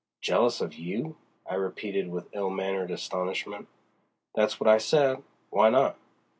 "Jealous of you!" I repeated with ill mannered astonishment. "That's what I said. Why not?